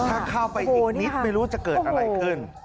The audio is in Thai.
ถ้าเข้าไปอีกนิดไม่รู้จะเกิดอะไรขึ้น